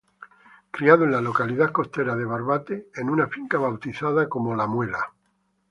Criado en la localidad costera de Barbate, en una finca bautizada como La Muela.